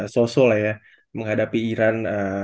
sosok lah ya menghadapi iran